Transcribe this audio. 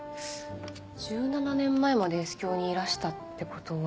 １７年前までＳ響にいらしたってことは。